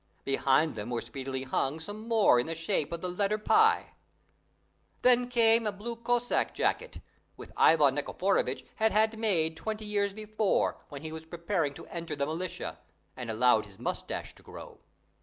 Behind them were speedily hung some more in the shape of the letter p. Then came a blue Cossack jacket, which Ivan Nikiforovitch had had made twenty years before, when he was preparing to enter the militia, and allowed his moustache to grow.